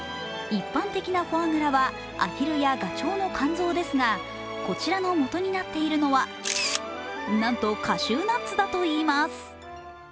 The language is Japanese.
一般的なフォアグラはアヒルやガチョウの肝臓ですがこちらのもとになっているのはなんとカシューナッツだといいます。